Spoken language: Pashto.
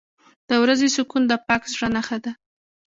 • د ورځې سکون د پاک زړه نښه ده.